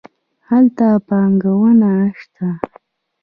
هلته پانګونه نه شته.